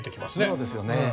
そうですよね。